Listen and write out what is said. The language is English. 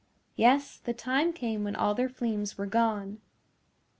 Yes, the time came when all their fleems were gone.